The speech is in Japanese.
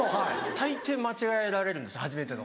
大抵間違えられるんです初めての方は。